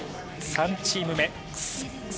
３チーム目。